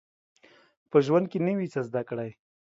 په ژوند کي نوی څه زده کړئ